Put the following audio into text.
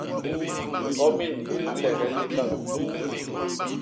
Ñgomin a nlegel likalô.